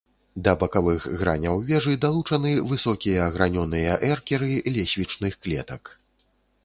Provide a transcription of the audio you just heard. Да бакавых граняў вежы далучаны высокія гранёныя эркеры лесвічных клетак.